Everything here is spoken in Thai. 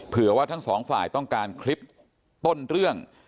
ว่าทั้งสองฝ่ายต้องการคลิปต้นเรื่อง